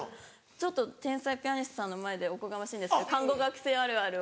ちょっと天才ピアニストさんの前でおこがましいんですけど看護学生あるあるを。